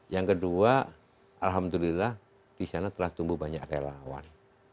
yang kedua alhamdulillah disana telah tumbuh banyak relawan